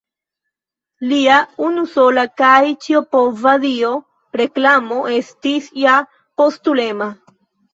Lia unusola kaj ĉiopova dio, Reklamo, estis ja postulema.